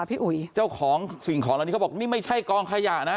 พี่อุ๋ยเจ้าของสิ่งของเหล่านี้เขาบอกนี่ไม่ใช่กองขยะนะ